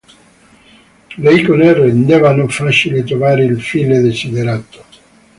Le icone rendevano facile trovare il file desiderato.